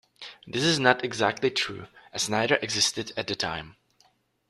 This is not exactly true, as neither existed at the time.